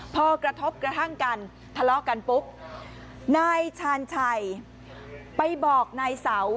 พอกระทบกระทั่งกันทะเลาะกันปุ๊บนายชาญชัยไปบอกนายเสา